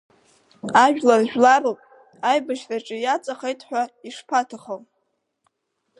Ажәлар жәларуп, аибашьраҿы иаҵахеит ҳәа ишԥаҭахо?!